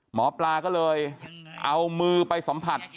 หมอปลาก็เลยเอามือไปสัมผัส